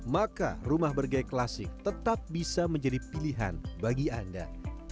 maka rumah bergaya klasik tetap bisa menjadi pilihan bagi anda